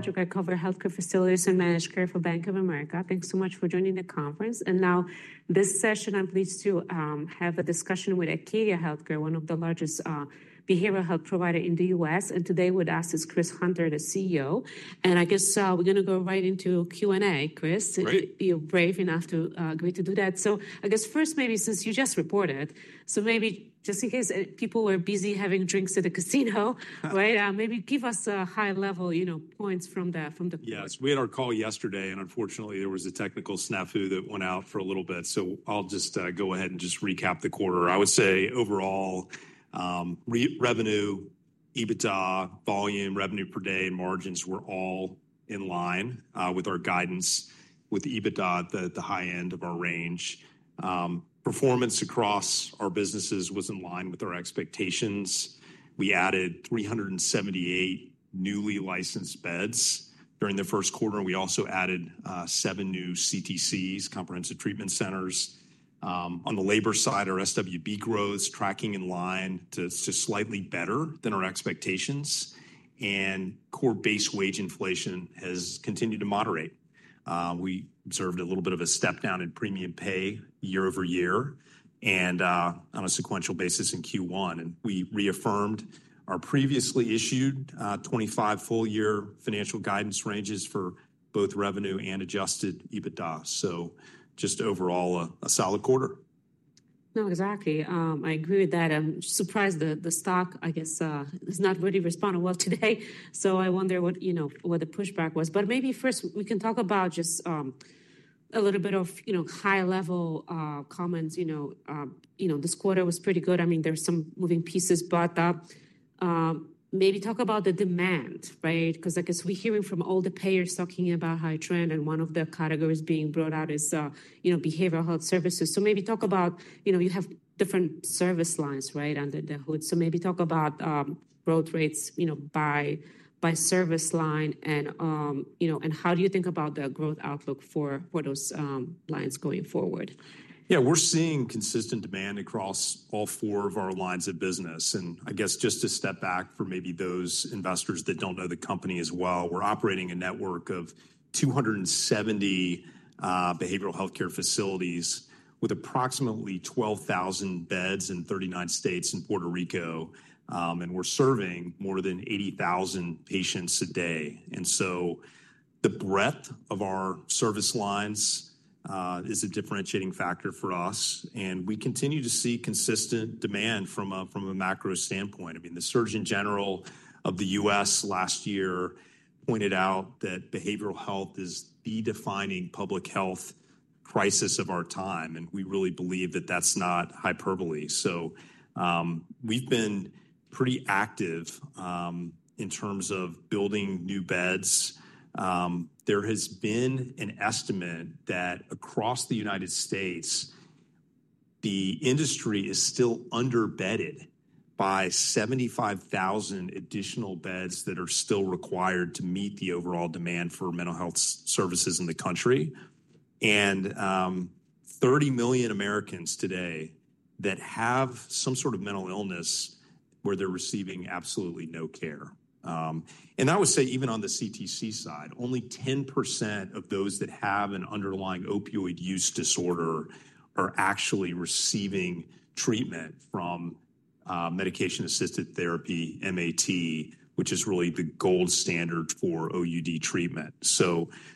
Joanna Gajuk, I cover Healthcare Facilities and Managed Care for Bank of America. Thanks so much for joining the conference. This session, I'm pleased to have a discussion with Acadia Healthcare, one of the largest behavioral health providers in the U.S. Today with us is Chris Hunter, the CEO. I guess we're going to go right into Q&A, Chris, if you're brave enough to agree to do that. I guess first, maybe since you just reported, maybe just in case people were busy having drinks at the casino, right? Maybe give us a high-level, you know, points from the call. Yes, we had our call yesterday, and unfortunately, there was a technical snafu that went out for a little bit. I'll just go ahead and just recap the quarter. I would say overall revenue, EBITDA, volume, revenue per day, and margins were all in line with our guidance with EBITDA at the high end of our range. Performance across our businesses was in line with our expectations. We added 378 newly licensed beds during the first quarter. We also added seven new CTCs, Comprehensive Treatment Centers. On the labor side, our SWB growth is tracking in line to slightly better than our expectations. Core base wage inflation has continued to moderate. We observed a little bit of a step down in premium pay year-over-year and on a sequential basis in Q1. We reaffirmed our previously issued 2025 full-year financial guidance ranges for both revenue and adjusted EBITDA. Just overall, a solid quarter. No, exactly. I agree with that. I'm surprised the stock, I guess, has not really responded well today. I wonder what, you know, what the pushback was. Maybe first we can talk about just a little bit of, you know, high-level comments. You know, this quarter was pretty good. I mean, there were some moving pieces, but maybe talk about the demand, right? I guess we're hearing from all the payers talking about high trend, and one of the categories being brought out is, you know, behavioral health services. Maybe talk about, you know, you have different service lines, right, under the hood. Maybe talk about growth rates, you know, by service line. You know, and how do you think about the growth outlook for those lines going forward? Yeah, we're seeing consistent demand across all four of our lines of business. I guess just to step back for maybe those investors that don't know the company as well, we're operating a network of 270 behavioral healthcare facilities with approximately 12,000 beds in 39 states and Puerto Rico. We're serving more than 80,000 patients a day. The breadth of our service lines is a differentiating factor for us. We continue to see consistent demand from a macro standpoint. I mean, the Surgeon General of the U.S. last year pointed out that behavioral health is the defining public health crisis of our time. We really believe that that's not hyperbole. We've been pretty active in terms of building new beds. There has been an estimate that across the United States, the industry is still underbedded by 75,000 additional beds that are still required to meet the overall demand for mental health services in the country. 30 million Americans today have some sort of mental illness where they're receiving absolutely no care. I would say even on the CTC side, only 10% of those that have an underlying opioid use disorder are actually receiving treatment from medication-assisted therapy, MAT, which is really the gold standard for OUD treatment.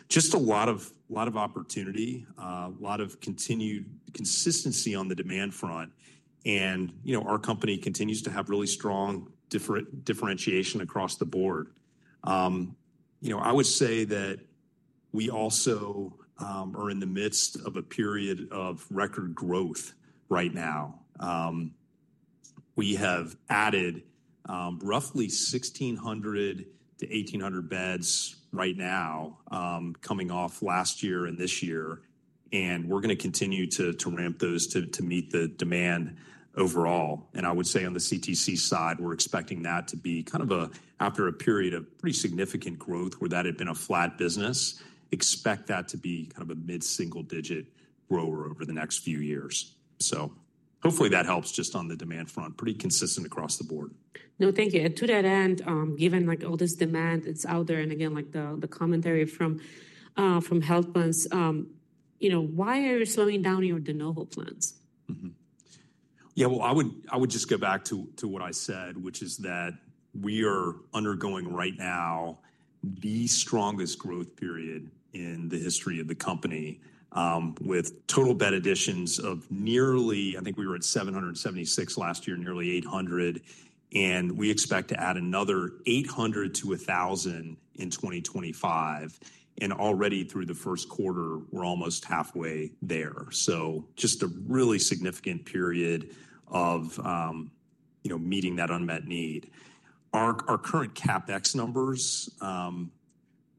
Just a lot of opportunity, a lot of continued consistency on the demand front. You know, our company continues to have really strong differentiation across the board. I would say that we also are in the midst of a period of record growth right now. We have added roughly 1,600-1,800 beds right now coming off last year and this year. We are going to continue to ramp those to meet the demand overall. I would say on the CTC side, we are expecting that to be kind of a, after a period of pretty significant growth where that had been a flat business, expect that to be kind of a mid-single-digit grower over the next few years. Hopefully that helps just on the demand front, pretty consistent across the board. No, thank you. To that end, given like all this demand, it's out there. Again, like the commentary from health plans, you know, why are you slowing down your de novo plans? Yeah, I would just go back to what I said, which is that we are undergoing right now the strongest growth period in the history of the company with total bed additions of nearly, I think we were at 776 last year, nearly 800. We expect to add another 800-1,000 in 2025. Already through the first quarter, we're almost halfway there. Just a really significant period of, you know, meeting that unmet need. Our current CapEx numbers,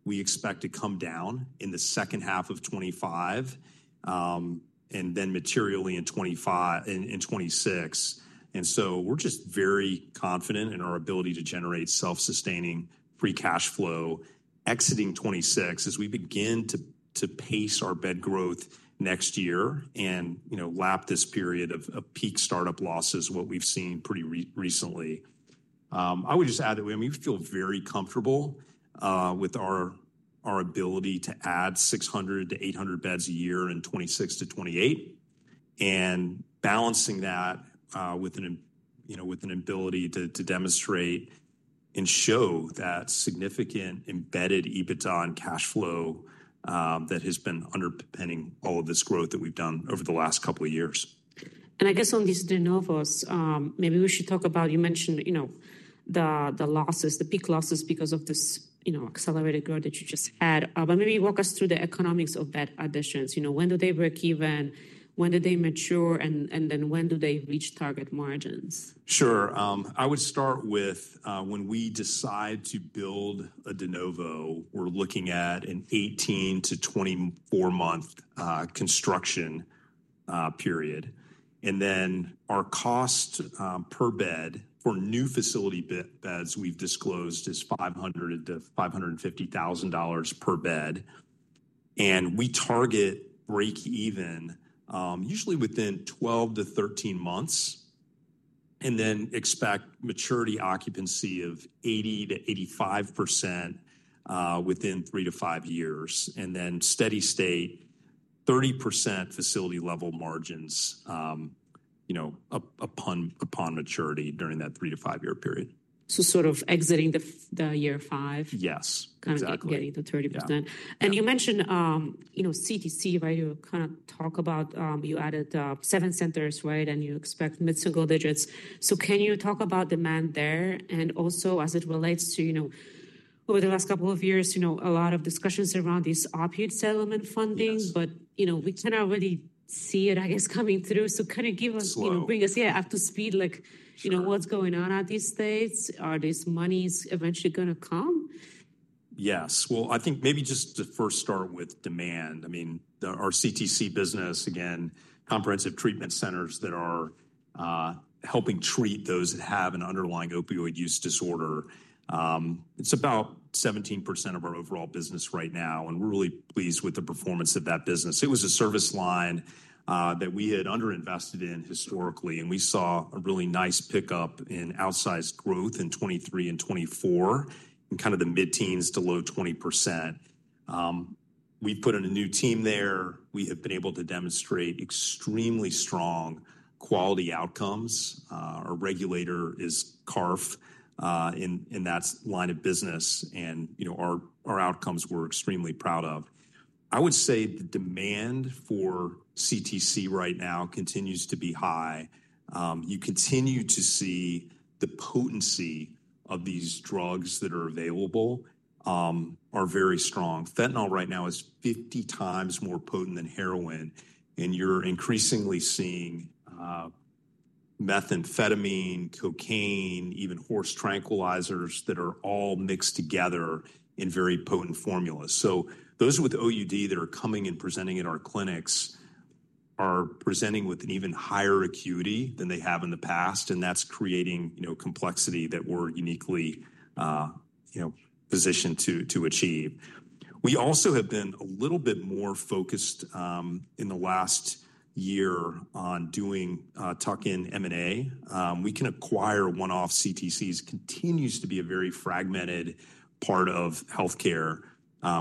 we expect to come down in the second half of 2025 and then materially in 2025 and in 2026. We are just very confident in our ability to generate self-sustaining free cash flow exiting 2026 as we begin to pace our bed growth next year and, you know, lap this period of peak startup losses, what we've seen pretty recently. I would just add that we feel very comfortable with our ability to add 600-800 beds a year in 2026 to 2028 and balancing that with an, you know, with an ability to demonstrate and show that significant embedded EBITDA and cash flow that has been underpinning all of this growth that we've done over the last couple of years. I guess on these de novos, maybe we should talk about, you mentioned, you know, the losses, the peak losses because of this, you know, accelerated growth that you just had. Maybe walk us through the economics of bed additions. You know, when do they break even? When do they mature? And then when do they reach target margins? Sure. I would start with when we decide to build a de novo, we're looking at an 18-24 month construction period. Our cost per bed for new facility beds we've disclosed is $500,000-$550,000 per bed. We target break even usually within 12-13 months and then expect maturity occupancy of 80%-85% within three to five years. You know, steady state, 30% facility-level margins upon maturity during that three to five-year period. Sort of exiting the year five. Yes, exactly. Kind of getting to 30%. And you mentioned, you know, CTC, right? You kind of talk about you added seven centers, right? And you expect mid-single digits. Can you talk about demand there? And also as it relates to, you know, over the last couple of years, you know, a lot of discussions around this opioid settlement funding, but, you know, we cannot really see it, I guess, coming through. Kind of give us, you know, bring us, yeah, up to speed, like, you know, what's going on at these states? Are these monies eventually going to come? Yes. I think maybe just to first start with demand. I mean, our CTC business, again, Comprehensive Treatment Centers that are helping treat those that have an underlying opioid use disorder. It's about 17% of our overall business right now. We're really pleased with the performance of that business. It was a service line that we had underinvested in historically. We saw a really nice pickup in outsized growth in 2023 and 2024 in kind of the mid-teens to low 20%. We've put in a new team there. We have been able to demonstrate extremely strong quality outcomes. Our regulator is CARF in that line of business. You know, our outcomes we're extremely proud of. I would say the demand for CTC right now continues to be high. You continue to see the potency of these drugs that are available are very strong. Fentanyl right now is 50 times more potent than heroin. You are increasingly seeing methamphetamine, cocaine, even horse tranquilizers that are all mixed together in very potent formulas. Those with OUD that are coming and presenting at our clinics are presenting with an even higher acuity than they have in the past. That is creating, you know, complexity that we are uniquely, you know, positioned to achieve. We also have been a little bit more focused in the last year on doing tuck-in M&A. We can acquire one-off CTCs, which continues to be a very fragmented part of healthcare.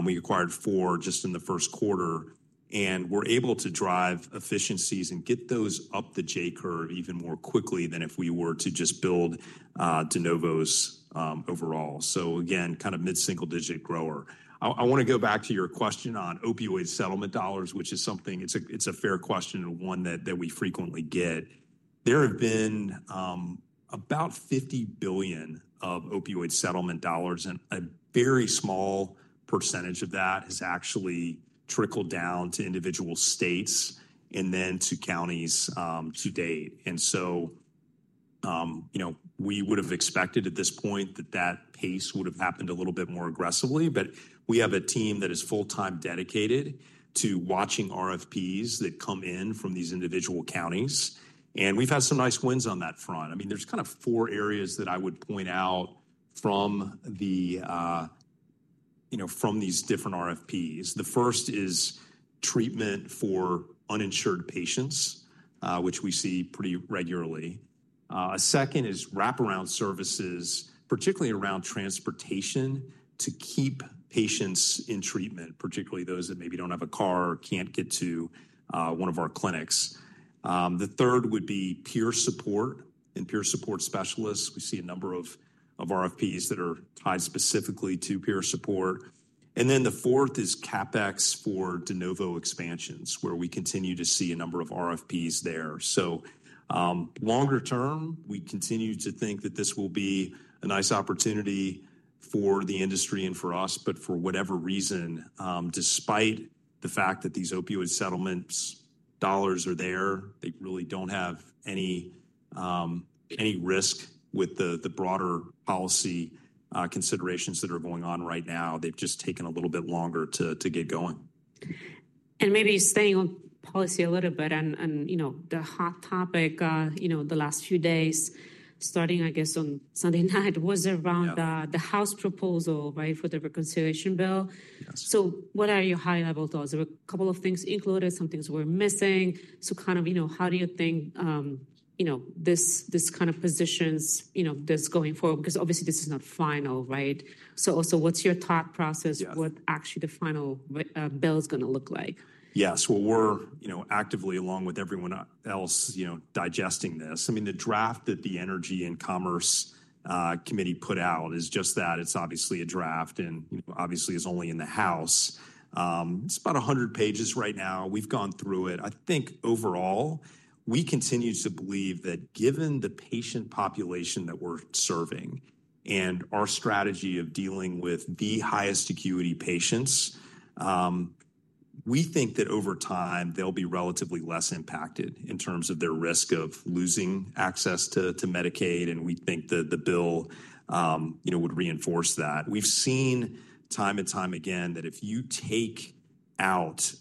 We acquired four just in the first quarter. We are able to drive efficiencies and get those up the J-curve even more quickly than if we were to just build de novos overall. Again, kind of mid-single digit grower. I want to go back to your question on opioid settlement dollars, which is something, it's a fair question and one that we frequently get. There have been about $50 billion of opioid settlement dollars. And a very small percentage of that has actually trickled down to individual states and then to counties to date. You know, we would have expected at this point that that pace would have happened a little bit more aggressively. We have a team that is full-time dedicated to watching RFPs that come in from these individual counties. We've had some nice wins on that front. I mean, there's kind of four areas that I would point out from the, you know, from these different RFPs. The first is treatment for uninsured patients, which we see pretty regularly. A second is wraparound services, particularly around transportation to keep patients in treatment, particularly those that maybe do not have a car or cannot get to one of our clinics. The third would be peer support and peer support specialists. We see a number of RFPs that are tied specifically to peer support. The fourth is CapEx for de novo expansions where we continue to see a number of RFPs there. Longer term, we continue to think that this will be a nice opportunity for the industry and for us, but for whatever reason, despite the fact that these opioid settlements dollars are there, they really do not have any risk with the broader policy considerations that are going on right now. They have just taken a little bit longer to get going. Maybe staying on policy a little bit and, you know, the hot topic, you know, the last few days starting, I guess, on Sunday night was around the House proposal, right, for the reconciliation bill. What are your high-level thoughts? There were a couple of things included, some things were missing. Kind of, you know, how do you think, you know, this kind of positions, you know, this going forward? Because obviously this is not final, right? Also, what's your thought process? What actually the final bill is going to look like? Yes. We're, you know, actively along with everyone else, you know, digesting this. I mean, the draft that the Energy and Commerce Committee put out is just that. It's obviously a draft. You know, obviously it's only in the House. It's about 100 pages right now. We've gone through it. I think overall, we continue to believe that given the patient population that we're serving and our strategy of dealing with the highest acuity patients, we think that over time they'll be relatively less impacted in terms of their risk of losing access to Medicaid. We think that the bill, you know, would reinforce that. We've seen time and time again that if you take out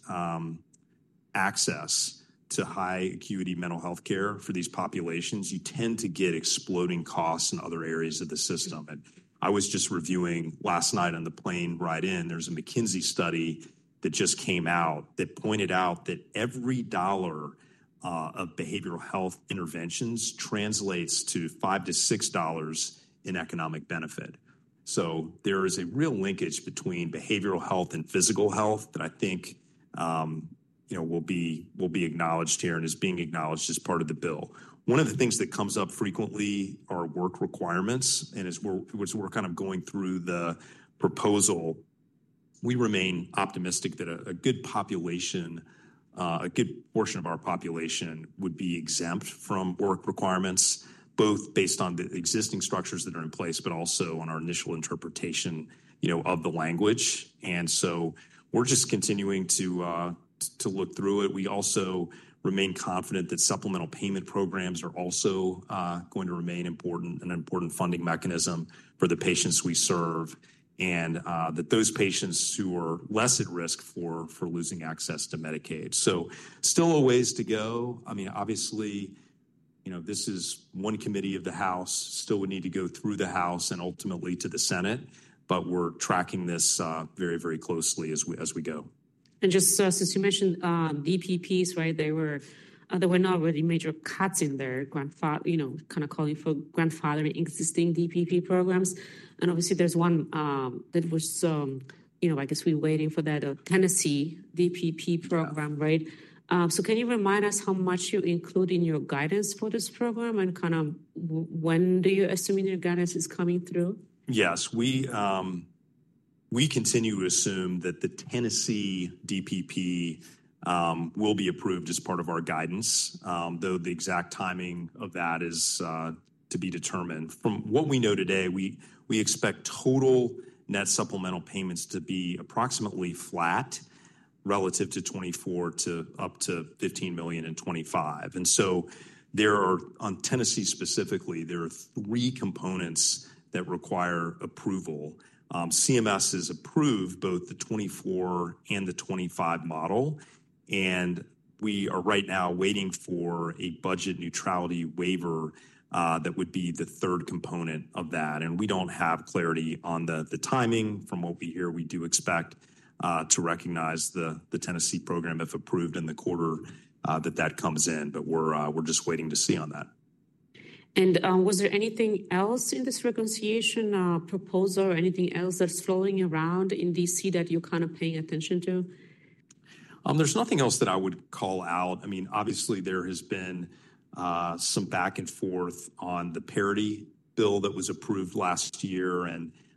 access to high acuity mental healthcare for these populations, you tend to get exploding costs in other areas of the system. I was just reviewing last night on the plane ride in, there's a McKinsey study that just came out that pointed out that every dollar of behavioral health interventions translates to $5-$6 in economic benefit. There is a real linkage between behavioral health and physical health that I think, you know, will be acknowledged here and is being acknowledged as part of the bill. One of the things that comes up frequently are work requirements. As we're kind of going through the proposal, we remain optimistic that a good portion of our population would be exempt from work requirements, both based on the existing structures that are in place, but also on our initial interpretation, you know, of the language. We're just continuing to look through it. We also remain confident that supplemental payment programs are also going to remain important and an important funding mechanism for the patients we serve and that those patients who are less at risk for losing access to Medicaid. Still a ways to go. I mean, obviously, you know, this is one committee of the House, still would need to go through the House and ultimately to the Senate. We are tracking this very, very closely as we go. Just since you mentioned DPPs, right, there were not really major cuts in their, you know, kind of calling for grandfathering existing DPP programs. Obviously there's one that was, you know, I guess we're waiting for that Tennessee DPP program, right? Can you remind us how much you include in your guidance for this program and kind of when do you assume your guidance is coming through? Yes. We continue to assume that the Tennessee DPP will be approved as part of our guidance, though the exact timing of that is to be determined. From what we know today, we expect total net supplemental payments to be approximately flat relative to 2024 to up to $15 million in 2025. There are, on Tennessee specifically, three components that require approval. CMS has approved both the 2024 and the 2025 model. We are right now waiting for a budget neutrality waiver that would be the third component of that. We do not have clarity on the timing from what we hear. We do expect to recognize the Tennessee program if approved in the quarter that that comes in. We are just waiting to see on that. Was there anything else in this reconciliation proposal or anything else that's flowing around in D.C. that you're kind of paying attention to? There's nothing else that I would call out. I mean, obviously there has been some back and forth on the parity bill that was approved last year.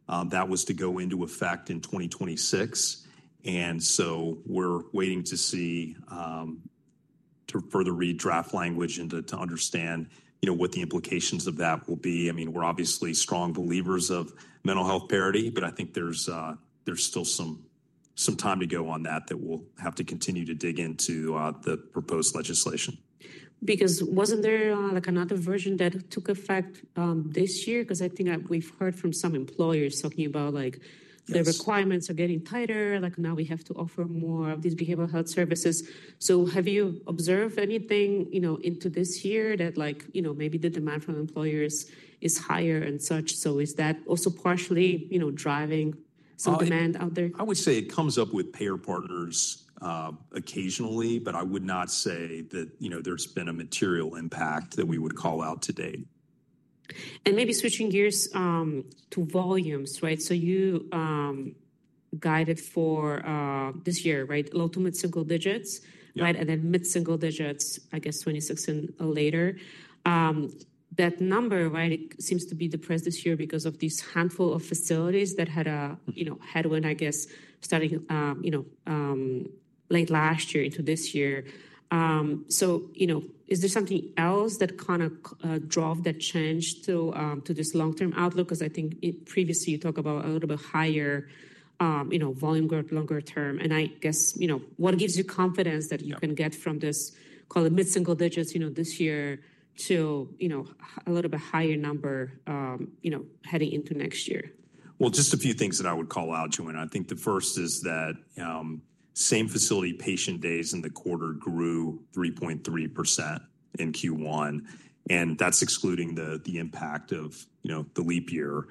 That was to go into effect in 2026. We're waiting to see to further read draft language and to understand, you know, what the implications of that will be. I mean, we're obviously strong believers of mental health parity, but I think there's still some time to go on that that we'll have to continue to dig into the proposed legislation. Because wasn't there like another version that took effect this year? Because I think we've heard from some employers talking about like the requirements are getting tighter, like now we have to offer more of these behavioral health services. Have you observed anything, you know, into this year that, you know, maybe the demand from employers is higher and such? Is that also partially, you know, driving some demand out there? I would say it comes up with payer partners occasionally, but I would not say that, you know, there's been a material impact that we would call out to date. Maybe switching gears to volumes, right? You guided for this year, right? Low to mid-single digits, right? And then mid-single digits, I guess 2026 and later. That number, right, it seems to be depressed this year because of this handful of facilities that had a, you know, headwind, I guess, starting, you know, late last year into this year. You know, is there something else that kind of drove that change to this long-term outlook? Because I think previously you talked about a little bit higher, you know, volume growth longer term. I guess, you know, what gives you confidence that you can get from this, call it mid-single digits, you know, this year to, you know, a little bit higher number, you know, heading into next year? Just a few things that I would call out, Joanna. I think the first is that same facility patient days in the quarter grew 3.3% in Q1. That is excluding the impact of, you know, the leap year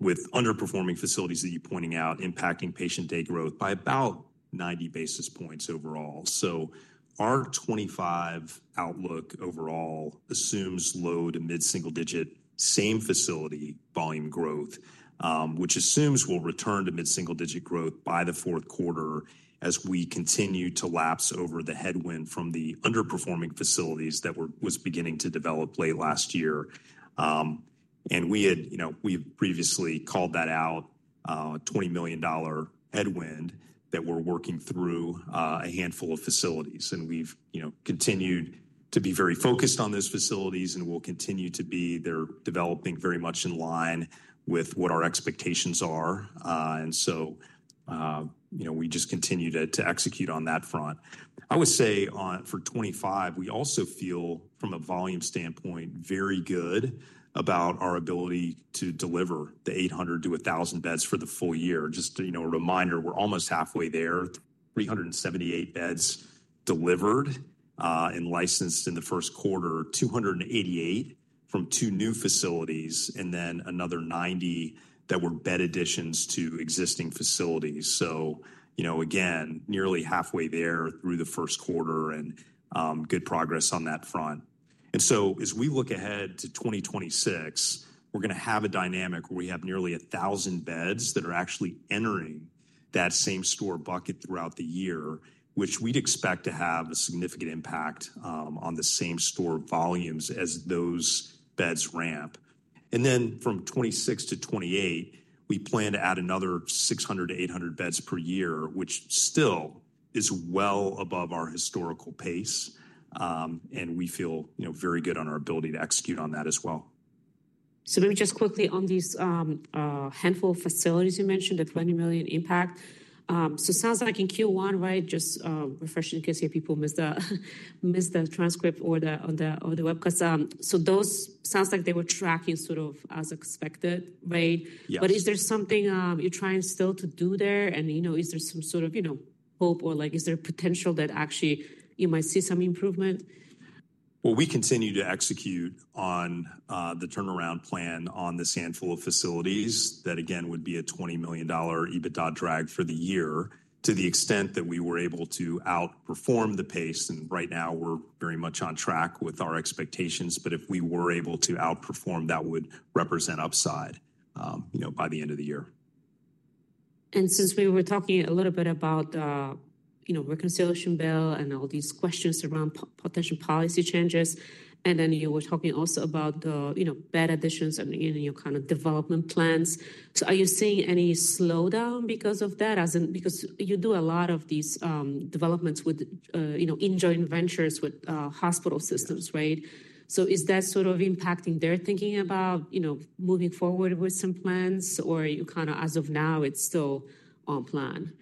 with underperforming facilities that you are pointing out impacting patient day growth by about 90 basis points overall. Our 2025 outlook overall assumes low to mid-single digit same facility volume growth, which assumes we will return to mid-single digit growth by the fourth quarter as we continue to lapse over the headwind from the underperforming facilities that were beginning to develop late last year. We had, you know, we have previously called that out, $20 million headwind that we are working through a handful of facilities. We've, you know, continued to be very focused on those facilities and we'll continue to be there developing very much in line with what our expectations are. You know, we just continue to execute on that front. I would say for 2025, we also feel from a volume standpoint very good about our ability to deliver the 800-1,000 beds for the full year. Just, you know, a reminder, we're almost halfway there, 378 beds delivered and licensed in the first quarter, 288 from two new facilities and then another 90 that were bed additions to existing facilities. You know, again, nearly halfway there through the first quarter and good progress on that front. As we look ahead to 2026, we're going to have a dynamic where we have nearly 1,000 beds that are actually entering that same store bucket throughout the year, which we'd expect to have a significant impact on the same store volumes as those beds ramp. From 2026 to 2028, we plan to add another 600-800 beds per year, which still is well above our historical pace. We feel, you know, very good on our ability to execute on that as well. Maybe just quickly on these handful of facilities, you mentioned that $20 million impact. It sounds like in Q1, right, just refreshing in case people missed the transcript or the webcast. Those sound like they were tracking sort of as expected, right? Is there something you're trying still to do there? You know, is there some sort of, you know, hope or like is there a potential that actually you might see some improvement? We continue to execute on the turnaround plan on this handful of facilities that again would be a $20 million EBITDA drag for the year to the extent that we were able to outperform the pace. Right now we're very much on track with our expectations. If we were able to outperform, that would represent upside, you know, by the end of the year. Since we were talking a little bit about, you know, reconciliation bill and all these questions around potential policy changes, and then you were talking also about the, you know, bed additions and, you know, kind of development plans. Are you seeing any slowdown because of that? Because you do a lot of these developments with, you know, joint ventures with hospital systems, right? Is that sort of impacting their thinking about, you know, moving forward with some plans or you kind of as of now it's still on plan?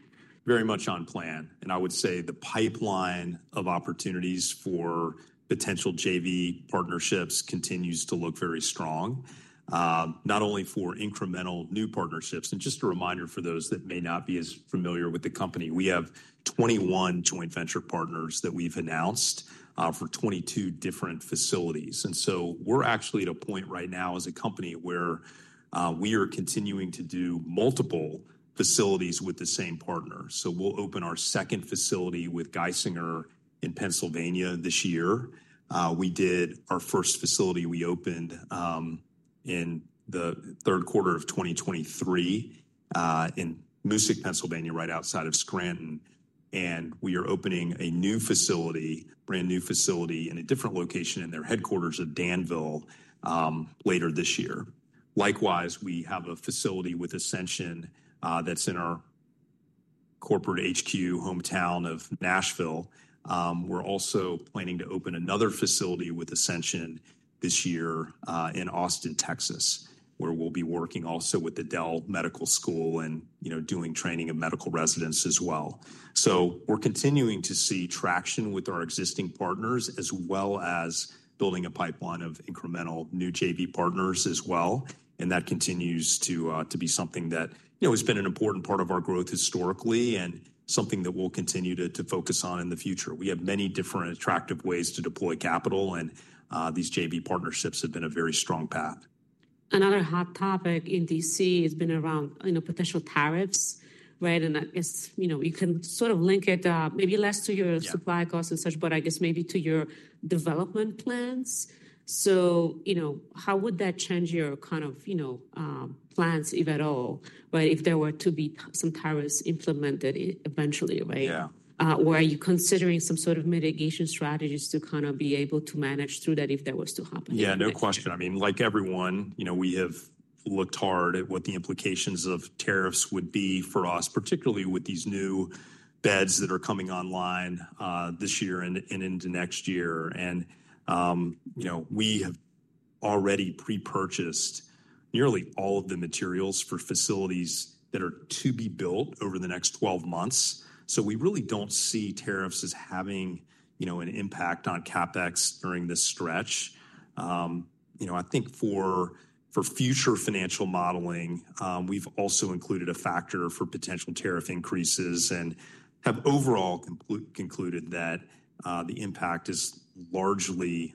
Very much on plan. I would say the pipeline of opportunities for potential JV partnerships continues to look very strong, not only for incremental new partnerships. Just a reminder for those that may not be as familiar with the company, we have 21 joint venture partners that we've announced for 22 different facilities. We are actually at a point right now as a company where we are continuing to do multiple facilities with the same partner. We'll open our second facility with Geisinger in Pennsylvania this year. We did our first facility we opened in the third quarter of 2023 in Moosic, Pennsylvania, right outside of Scranton. We are opening a new facility, brand new facility in a different location in their headquarters of Danville later this year. Likewise, we have a facility with Ascension that's in our corporate HQ hometown of Nashville. We're also planning to open another facility with Ascension this year in Austin, Texas, where we'll be working also with the Dell Medical School and, you know, doing training of medical residents as well. We're continuing to see traction with our existing partners as well as building a pipeline of incremental new JV partners as well. That continues to be something that, you know, has been an important part of our growth historically and something that we'll continue to focus on in the future. We have many different attractive ways to deploy capital. These JV partnerships have been a very strong path. Another hot topic in D.C. has been around, you know, potential tariffs, right? I guess, you know, you can sort of link it maybe less to your supply costs and such, but I guess maybe to your development plans. You know, how would that change your kind of, you know, plans if at all, right? If there were to be some tariffs implemented eventually, right? Yeah. Are you considering some sort of mitigation strategies to kind of be able to manage through that if that was to happen? Yeah, no question. I mean, like everyone, you know, we have looked hard at what the implications of tariffs would be for us, particularly with these new beds that are coming online this year and into next year. You know, we have already pre-purchased nearly all of the materials for facilities that are to be built over the next 12 months. We really do not see tariffs as having, you know, an impact on CapEx during this stretch. I think for future financial modeling, we have also included a factor for potential tariff increases and have overall concluded that the impact is largely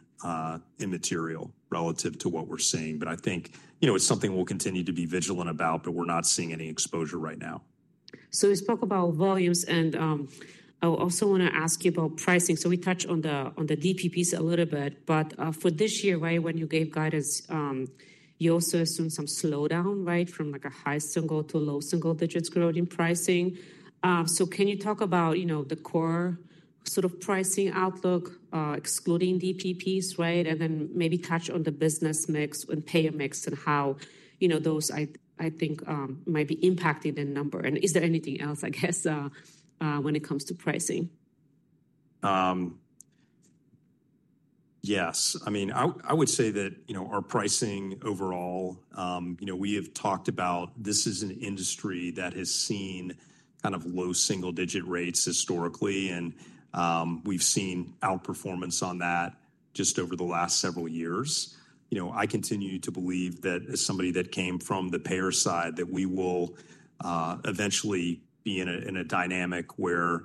immaterial relative to what we are seeing. I think, you know, it is something we will continue to be vigilant about, but we are not seeing any exposure right now. We spoke about volumes and I also want to ask you about pricing. We touched on the DPPs a little bit, but for this year, right, when you gave guidance, you also assumed some slowdown, right, from like a high single to low single digits growth in pricing. Can you talk about, you know, the core sort of pricing outlook excluding DPPs, right? And then maybe touch on the business mix and payer mix and how, you know, those I think might be impacting the number. Is there anything else, I guess, when it comes to pricing? Yes. I mean, I would say that, you know, our pricing overall, you know, we have talked about this is an industry that has seen kind of low single digit rates historically. We have seen outperformance on that just over the last several years. You know, I continue to believe that as somebody that came from the payer side, that we will eventually be in a dynamic where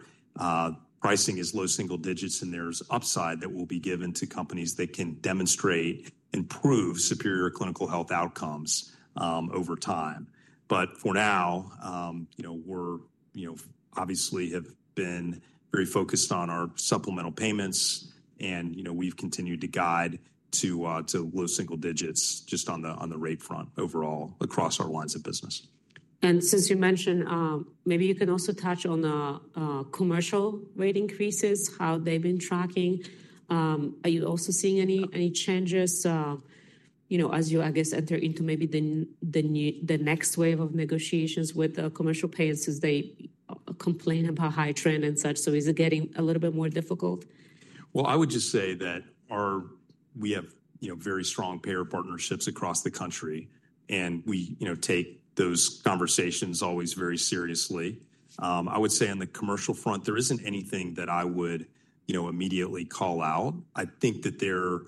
pricing is low single digits and there is upside that will be given to companies that can demonstrate and prove superior clinical health outcomes over time. For now, you know, we are, you know, obviously have been very focused on our supplemental payments. You know, we have continued to guide to low single digits just on the rate front overall across our lines of business. Since you mentioned, maybe you can also touch on the commercial rate increases, how they've been tracking. Are you also seeing any changes, you know, as you, I guess, enter into maybe the next wave of negotiations with the commercial payers since they complain about high trend and such? Is it getting a little bit more difficult? I would just say that we have, you know, very strong payer partnerships across the country. And we, you know, take those conversations always very seriously. I would say on the commercial front, there isn't anything that I would, you know, immediately call out. I think that there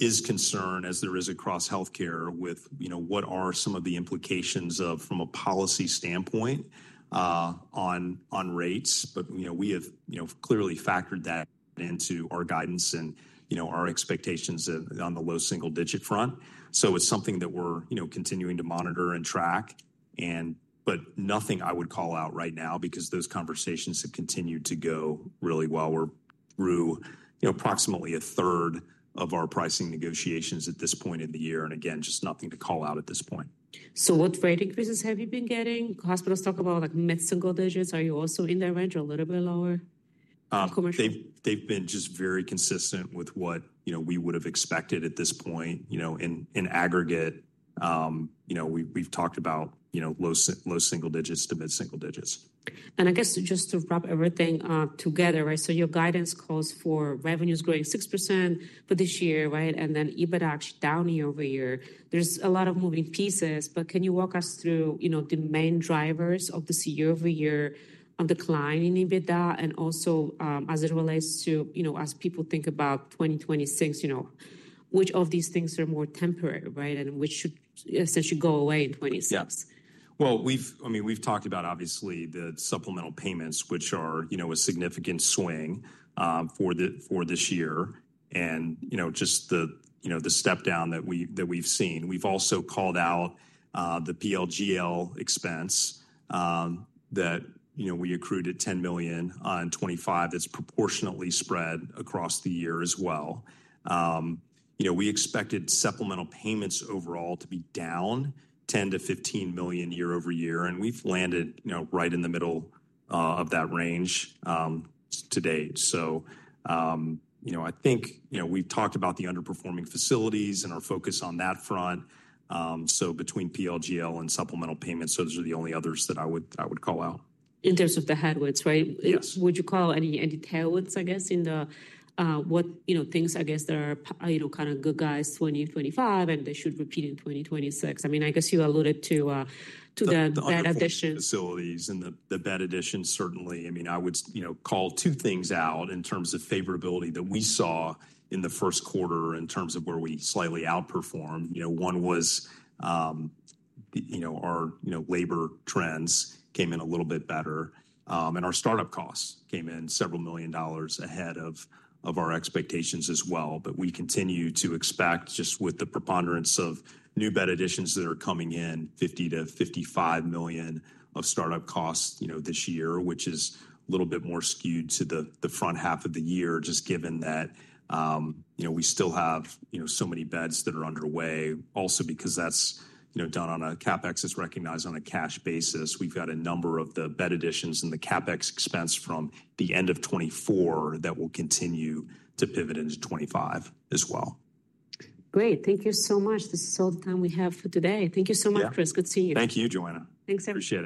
is concern as there is across healthcare with, you know, what are some of the implications from a policy standpoint on rates. But, you know, we have, you know, clearly factored that into our guidance and, you know, our expectations on the low single digit front. So it's something that we're, you know, continuing to monitor and track. And but nothing I would call out right now because those conversations have continued to go really well. We're through, you know, approximately a third of our pricing negotiations at this point in the year. Again, just nothing to call out at this point. What rate increases have you been getting? Hospitals talk about like mid-single digits. Are you also in that range or a little bit lower? They've been just very consistent with what, you know, we would have expected at this point, you know, in aggregate. You know, we've talked about, you know, low single digits to mid-single digits. I guess just to wrap everything together, right? Your guidance calls for revenues growing 6% for this year, right? And then EBITDA actually down year over year. There's a lot of moving pieces, but can you walk us through, you know, the main drivers of this year over year on decline in EBITDA and also as it relates to, you know, as people think about 2026, you know, which of these things are more temporary, right? And which should essentially go away in 2026? I mean, we've talked about obviously the supplemental payments, which are, you know, a significant swing for this year. And, you know, just the, you know, the step down that we've seen. We've also called out the PLGL expense that, you know, we accrued at $10 million on 2025. That's proportionately spread across the year as well. You know, we expected supplemental payments overall to be down $10 million-$15 million year-over-year. And we've landed, you know, right in the middle of that range to date. You know, I think, you know, we've talked about the underperforming facilities and our focus on that front. So between PLGL and supplemental payments, those are the only others that I would call out. In terms of the headwinds, right? Yes. Would you call any tailwinds, I guess, in the, what, you know, things I guess that are, you know, kind of good guys 2025 and they should repeat in 2026? I mean, I guess you alluded to that addition. The supplemental facilities and the bed additions certainly. I mean, I would, you know, call two things out in terms of favorability that we saw in the first quarter in terms of where we slightly outperformed. You know, one was, you know, our, you know, labor trends came in a little bit better. And our startup costs came in several million dollars ahead of our expectations as well. I mean, we continue to expect just with the preponderance of new bed additions that are coming in, $50 million-$55 million of startup costs, you know, this year, which is a little bit more skewed to the front half of the year just given that, you know, we still have, you know, so many beds that are underway. Also because that's, you know, done on a CapEx is recognized on a cash basis. We've got a number of the bed additions and the CapEx expense from the end of 2024 that will continue to pivot into 2025 as well. Great. Thank you so much. This is all the time we have for today. Thank you so much, Chris. Good to see you. Thank you, Joanna. Thanks everyone.